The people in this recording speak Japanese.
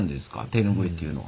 手ぬぐいっていうのは。